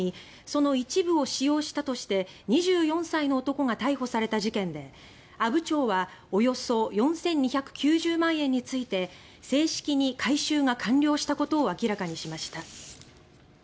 その一部を使用したとして２４歳の男が逮捕された事件で阿武町はおよそ４２９０万円について正式に回収が完了したことを明らかにしました。